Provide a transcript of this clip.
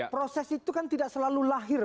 proses itu kan tidak selalu lahir